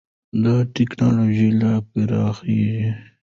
دا ټېکنالوژي لا پراخېږي.